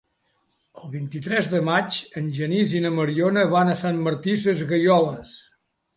El vint-i-tres de maig en Genís i na Mariona van a Sant Martí Sesgueioles.